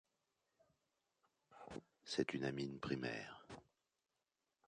C'est une amine primaire.